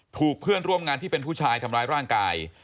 เพื่อนร่วมงานที่เป็นผู้ชายทำร้ายร่างกาย